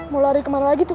mau lari kemana lagi tuh